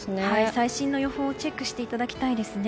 最新の予報をチェックしていただきたいですね。